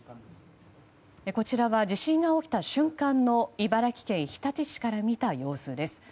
こちらは、地震が起きた瞬間の茨城県日立市から見た様子です。